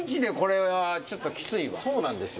そうなんですよ。